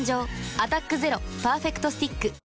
「アタックＺＥＲＯパーフェクトスティック」